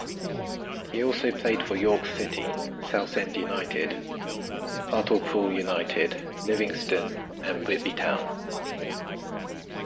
He also played for York City, Southend United, Hartlepool United, Livingston and Whitby Town.